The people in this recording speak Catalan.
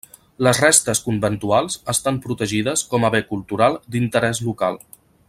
Les restes conventuals estan protegides com a bé cultural d'interès local.